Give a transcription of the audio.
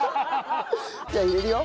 じゃあ入れるよ。